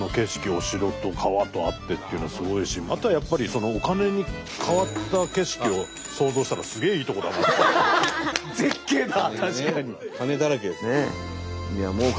お城と川とあってっていうのはすごいしあとはやっぱりお金に変わった景色を想像したら金だらけです。